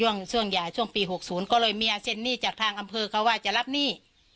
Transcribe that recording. ครับช่วงหย่าช่วงปีหกศูนย์ก็เลยเมียเซ่นนี่จากทางอำเภอเขาว่าจะรับหนี้